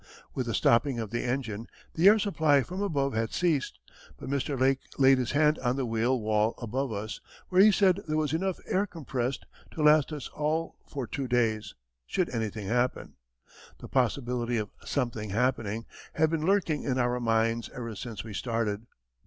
With the stopping of the engine, the air supply from above had ceased; but Mr. Lake laid his hand on the steel wall above us, where he said there was enough air compressed to last us all for two days, should anything happen. The possibility of "something happening" had been lurking in our minds ever since we started.